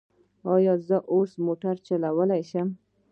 ایا زه اوس موټر چلولی شم؟